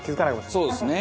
そうですね。